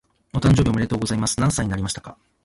お誕生日おめでとうございます。何歳になりましたか？